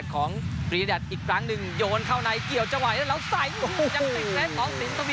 ของอีกครั้งหนึ่งโยนเข้าในเกี่ยวจะไหวแล้วแล้วใส่